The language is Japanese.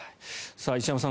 石山さん